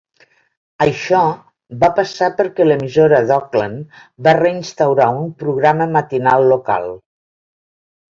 Això va passar perquè l'emissora d'Auckland va reinstaurar un programa matinal local.